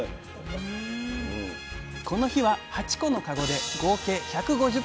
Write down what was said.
この日は８個のかごで合計１５０匹。